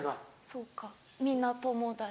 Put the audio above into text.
そうかみんな友達。